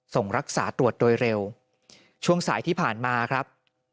ส่งรักษาตรวจโดยเร็วช่วงสายที่ผ่านมาครับ